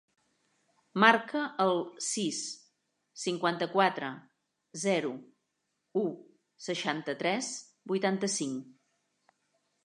Marca el sis, cinquanta-quatre, zero, u, seixanta-tres, vuitanta-cinc.